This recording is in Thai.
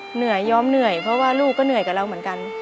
เหนื่อยยอมเหนื่อยเพราะว่าลูกก็เหนื่อยกับเราเหมือนกัน